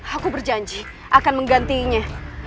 aku berjanji akan menggantinya